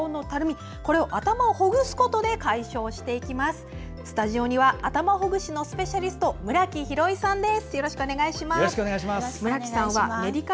スタジオには頭ほぐしのスペシャリスト村木宏衣さんです。